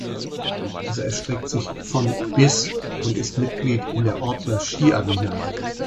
Es erstreckt sich von bis und ist Mitglied in der Ortler Skiarena.